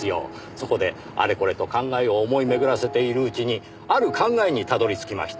そこであれこれと考えを思い巡らせているうちにある考えにたどり着きました。